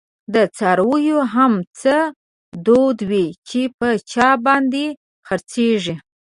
دڅارویو هم څه دود وی، چی په چا باندی خرڅیږی